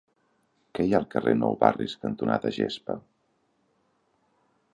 Què hi ha al carrer Nou Barris cantonada Gespa?